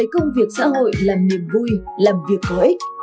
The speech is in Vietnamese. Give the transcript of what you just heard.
công việc xã hội làm niềm vui làm việc có ích